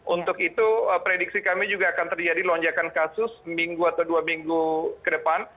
untuk itu prediksi kami juga akan terjadi lonjakan kasus minggu atau dua minggu ke depan